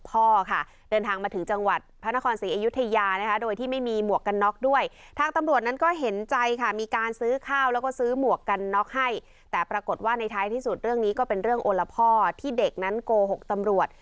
ปรากฏว่าในท้ายที่สุดเรื่องนี้ก็เป็นเรื่องโอละพ่อที่เด็กนั้นโกหกตำรวจ